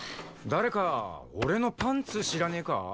誰か俺のパンツ知らねえか？